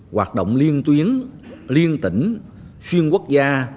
hoạt động liên tuyến liên tỉnh xuyên quốc gia